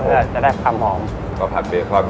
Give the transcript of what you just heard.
๒๐ปีแล้วเหรอ